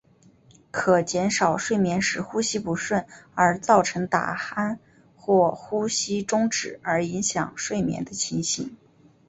可减轻睡眠时呼吸不顺而造成打鼾或呼吸中止而影响睡眠的情形。